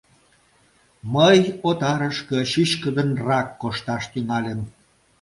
Мый отарышке чӱчкыдынрак кошташ тӱҥальым.